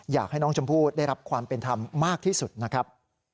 อยากให้น้องชมพู่ได้รับความเป็นธรรมมากที่สุดนะครับ